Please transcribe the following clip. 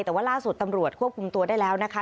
แต่ว่าล่าสุดตำรวจควบคุมตัวได้แล้วนะคะ